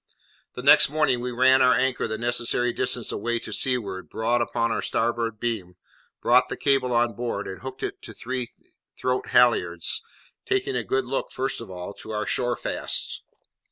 The next morning we ran our anchor the necessary distance away out to seaward, broad upon our starboard beam, brought the cable on board, and hooked it to the throat halyards, taking a good look, first of all, to our shore fasts.